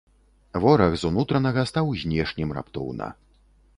Вораг з унутранага стаў знешнім раптоўна.